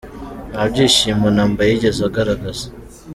Nta byishimo na mba yigeze agaragaza.